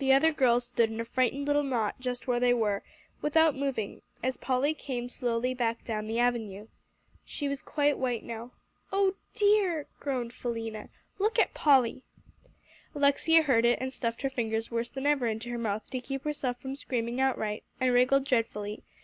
The other girls stood in a frightened little knot, just where they were, without moving, as Polly came slowly back down the avenue. She was quite white now. "Oh dear!" groaned Philena, "look at Polly!" Alexia heard it, and stuffed her fingers worse than ever into her mouth to keep herself from screaming outright, and wriggled dreadfully.